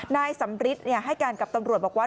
นายสำริทให้การกับตำรวจบอกว่า